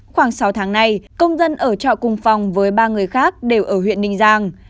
khoảng sáu tháng này công dân ở trọ cùng phòng với ba người khác đều ở huyện ninh giang